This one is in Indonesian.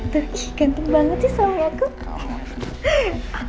tuh gantung banget sih sama aku